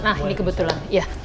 nah ini kebetulan